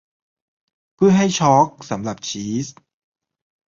เพื่อให้ชอล์กสำหรับชีส